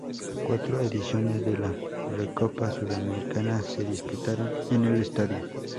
Cuatro ediciones de la Recopa Sudamericana se disputaron en el estadio.